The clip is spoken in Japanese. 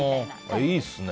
いいですね。